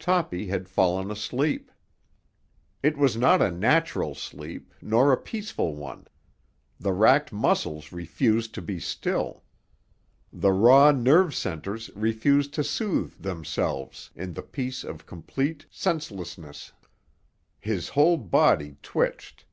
Toppy had fallen asleep. It was not a natural sleep, nor a peaceful one. The racked muscles refused to be still; the raw nerve centres refused to soothe themselves in the peace of complete senselessness. His whole body twitched.